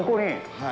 はい。